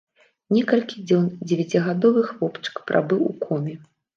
Некалькі дзён дзевяцігадовы хлопчык прабыў у коме.